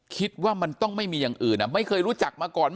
คิดว่ามันต้องไม่มีอย่างอื่นไม่เคยรู้จักมาก่อน